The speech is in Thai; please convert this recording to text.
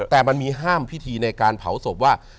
แต่มันมีห้ามพิธีในการเผาศพว่า